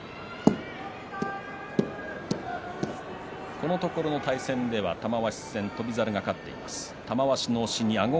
このところの対戦では玉鷲戦翔猿が勝っています。